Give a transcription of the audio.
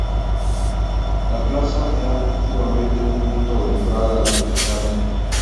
La Plaza era antiguamente un punto de entrada a la Capital.